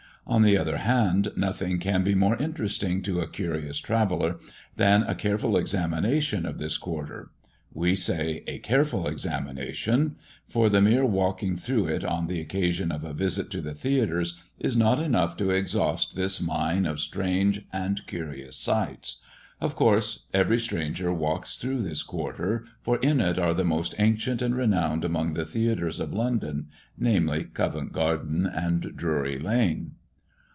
On the other hand, nothing can be more interesting to a curious traveller than a careful examination of this quarter. We say a careful examination; for the mere walking through it on the occasion of a visit to the theatres is not enough to exhaust this mine of strange and curious sights. Of course, every stranger walks through this quarter, for in it are the most ancient and renowned among the theatres of London, namely, Covent garden and Drury lane.